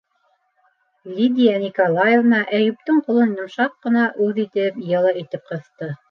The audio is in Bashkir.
- Лидия Николаевна Әйүптең ҡулын йомшаҡ ҡына, үҙ итеп, йылы итеп ҡыҫты.